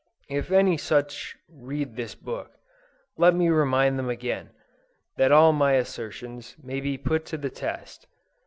If any such read this book, let me remind them again, that all my assertions may be put to the test.